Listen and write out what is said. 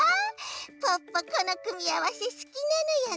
ポッポこのくみあわせすきなのよね。